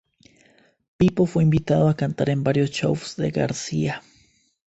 Pipo fue invitado a cantar en varios shows de García.